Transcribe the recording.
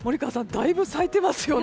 だいぶ咲いていますよね。